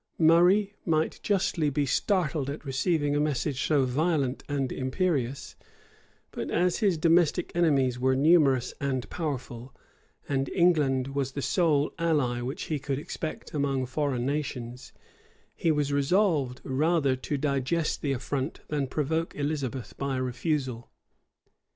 Murray might justly be startled at receiving a message so violent and imperious; but as his domestic enemies were numerous and powerful, and England was the sole ally which he could expect among foreign nations, he was resolved rather to digest the affront, than provoke Elizabeth by a refusal.